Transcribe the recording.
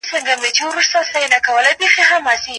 دا انګېرنه تل سمه نه وي.